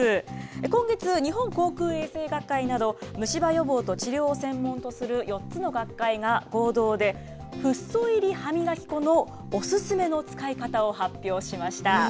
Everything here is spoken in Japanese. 今月、日本口腔衛生学会など、虫歯予防と治療を専門とする４つの学会が合同で、フッ素入り歯磨き粉のお勧めの使い方を発表しました。